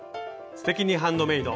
「すてきにハンドメイド」